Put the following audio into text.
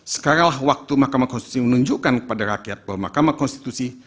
sekaranglah waktu mahkamah konstitusi menunjukkan kepada rakyat bahwa mahkamah konstitusi